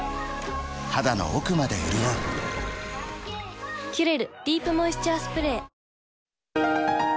肌の奥まで潤う「キュレルディープモイスチャースプレー」